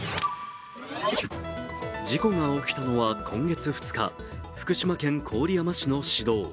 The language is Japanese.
事故が起きたのは今月２日、福島県郡山市の市道。